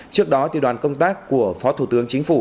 trước đó đoàn công tác của phó thủ tướng chính phủ